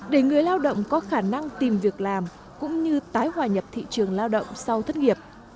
để người lao động có khả năng tìm việc làm cũng như tái hòa nhập thị trường lao động sau thất nghiệp